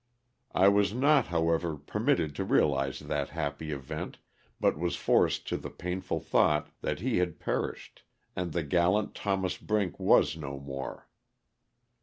I was not, however, permitted to realize that happy event but was forced to the painful thought that he had perished, and the gallant Thos. Brink was no more.